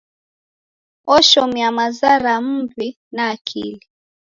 Oshomia maza ra m'wi na akili.